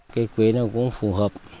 cây quế nó cũng phù hợp